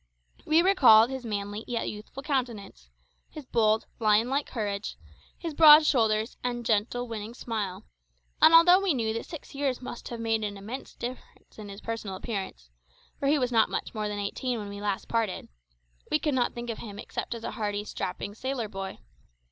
We recalled his manly yet youthful countenance, his bold, lion like courage, his broad shoulders and winning gentle smile, and although we knew that six years must have made an immense difference in his personal appearance for he was not much more than eighteen when we last parted we could not think of him except as a hearty, strapping sailor boy.